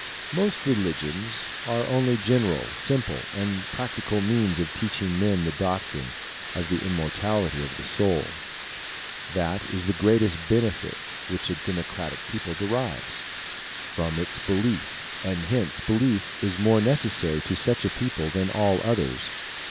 Most religions are only general, simple, and practical means of teaching men the doctrine of the immortality of the soul. That is the greatest benefit which a democratic people derives, from its belief, and hence belief is more necessary to such a people than to all others.